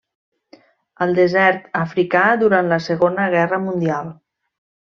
Al desert africà, durant la Segona Guerra Mundial.